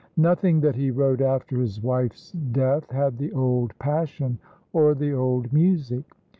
Nothing that he wrote after his wife's death had the old passion or the old music.